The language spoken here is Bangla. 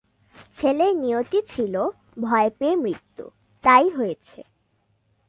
ছেলের নিয়তি ছিল ভয় পেয়ে মৃত্যু-তাই হয়েছে।